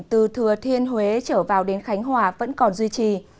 từ thừa thiên huế trở vào đến khánh hòa vẫn còn duy trì